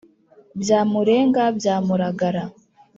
Byamurenga bya Muragara